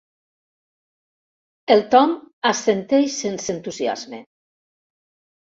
El Tom assenteix sense entusiasme.